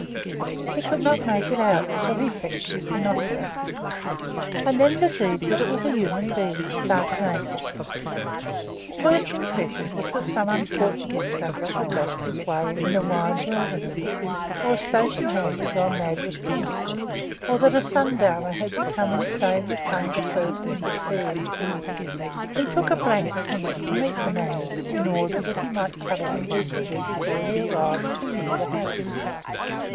He could not make it out; so he fetched his binocular, and then perceived that it was a human being, stark naked. His first impression was that some unfortunate traveller had lost his way in the wide wilderness, or a station hand had gone mad with drink, or that a sundowner had become insane with hunger, thirst, and despair. He took a blanket and went to meet the man, in order that he might cover him decently before he arrived too near the house.